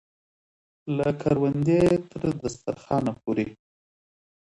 له کروندې تر دسترخانه پورې.